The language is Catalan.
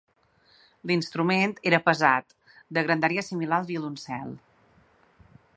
L'instrument era pesat, de grandària similar al violoncel.